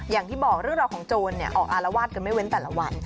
อย่างที่บอกเรื่องราวของโจรออกอารวาสกันไม่เว้นแต่ละวัน